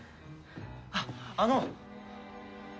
あっあの！